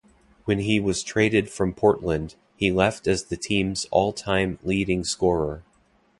When he was traded from Portland, he left as the team's all-time leading scorer.